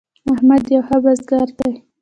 احمد یو ښه بزګر دی.